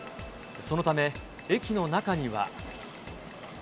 そのため、駅の中には。